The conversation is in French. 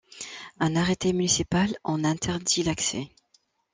Un arrêté municipal en interdit l'accès.